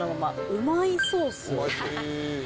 うまいソース？